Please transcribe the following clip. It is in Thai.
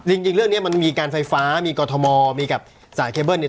จริงเรื่องนี้มันมีการไฟฟ้ามีกรทมมีกับสายเคเบิ้ลเนี่ย